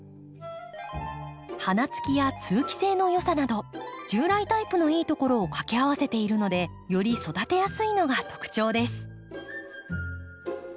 花つきや通気性のよさなど従来タイプのいいところをかけ合わせているのでより育てやすいのが特徴です。